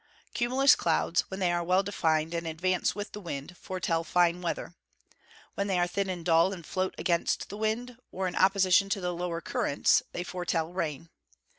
_ Cumulus clouds, when they are well defined, and advance with the wind, foretell fine weather. When they are thin and dull, and float against the wind, or in opposition to the lower currents, they foretell rain.